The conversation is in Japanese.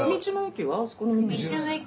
道の駅？